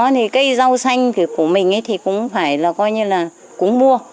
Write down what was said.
thì cây rau xanh thì của mình thì cũng phải là coi như là cũng mua